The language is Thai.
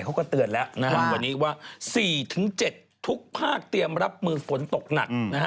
เขาก็เตือนแล้วนะครับวันนี้ว่า๔๗ทุกภาคเตรียมรับมือฝนตกหนักนะฮะ